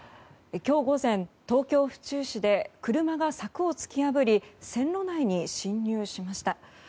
今日午前、東京・府中市で車が柵を突き破り線路内に進入しました。